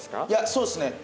いやそうっすね